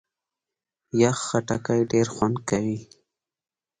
یخ خټکی ډېر خوند کوي.